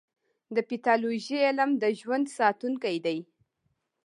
د پیتالوژي علم د ژوند ساتونکی دی.